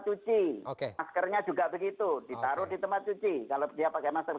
kalau pakai masker yang berjigel itu